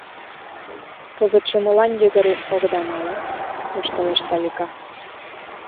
— Кызытше молан йыгыре огыда мале? — воштылеш Салика.